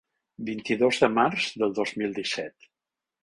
Vint-i-dos de març del dos mil disset.